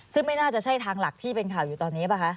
ซึ่งไม่น่าจะใช่ทางหลักที่เป็นข่าวอยู่ตอนนี้ป่ะคะ